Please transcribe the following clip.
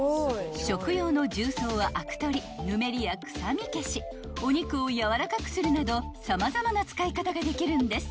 ［食用の重曹はあく取りぬめりや臭み消しお肉をやわらかくするなど様々な使い方ができるんです］